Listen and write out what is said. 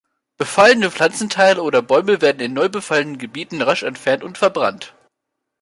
Befallene Pflanzenteile oder Bäume werden in neu befallenen Gebieten rasch entfernt und verbrannt.